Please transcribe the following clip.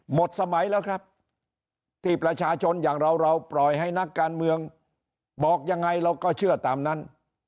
หมดสมัยแล้วครับที่ประชาชนอย่างเราเราปล่อยให้นักการเมืองบอกยังไงเราก็เชื่อตามนั้น